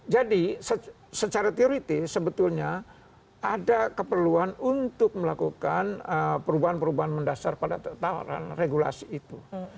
jadi secara teori sebetulnya ada keperluan untuk melakukan perubahan perubahan mendasar pada tawaran regulasi itu